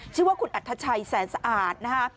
ชื่อว่าคุณอัธชัยแสนสะอาดนะฮะ